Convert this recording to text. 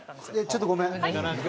ちょっとごめん。